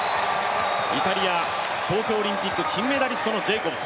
イタリア東京オリンピック金メダリストのジェイコブス。